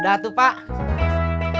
aduh tempat gitu wo